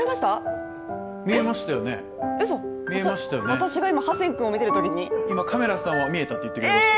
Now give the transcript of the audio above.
私が今、ハセン君を見てるときに今、カメラさんは「見えた」って言ってくれました。